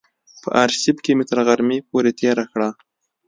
په آرشیف کې مې تر غرمې پورې تېره کړه.